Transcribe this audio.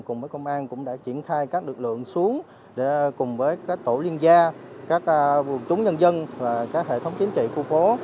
cùng với công an cũng đã triển khai các lực lượng xuống để cùng với các tổ liên gia các vùng chúng nhân dân và các hệ thống chính trị khu phố